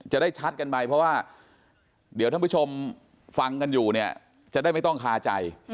จะได้ชัดกันไปเพราะว่าเดี๋ยวท่านผู้ชมฟังกันอยู่เนี่ยจะได้ไม่ต้องคาใจ